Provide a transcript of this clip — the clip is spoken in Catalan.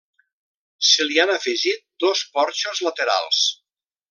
Se li han afegit dos porxos laterals.